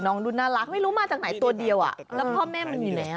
น้องดูน่ารักไม่รู้มาจากไหนตัวเดียวแล้วพ่อแม่มันอยู่ไหน